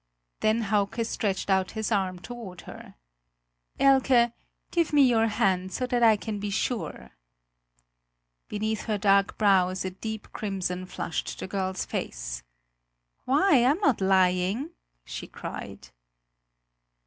Then Hauke stretched out his arm toward her. "Elke, give me your hand, so that I can be sure." Beneath her dark brows a deep crimson flushed the girl's face. "Why? I'm not lying!" she cried.